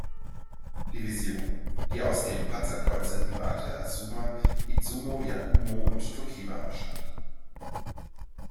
Division, die aus den Panzerkreuzern "Iwate", "Azuma", "Izumo", "Yakumo" und "Tokiwa" bestand.